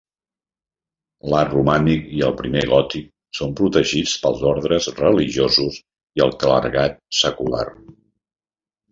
L'art romànic i el primer gòtic són protegits pels ordes religiosos i el clergat secular.